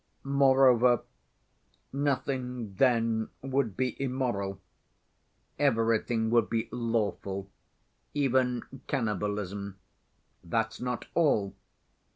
Moreover, nothing then would be immoral, everything would be lawful, even cannibalism. That's not all.